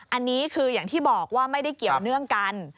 อันนี้คืออย่างที่บอกว่าไม่ได้เกี่ยวเนื่องกัน